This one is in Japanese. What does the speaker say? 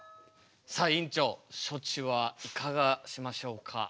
さあ院長処置はいかがしましょうか？